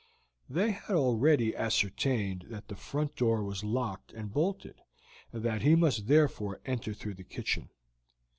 They had already ascertained that the front door was locked and bolted, and that he must therefore enter through the kitchen.